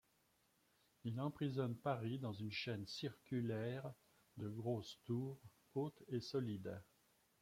Il emprisonne Paris dans une chaîne circulaire de grosses tours, hautes et solides.